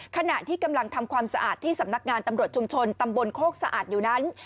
ขณะที่กำลังทำความสะอาดที่สำนักงานตำรวจชุมชนตำบลโคกสะอาดอยู่นั้น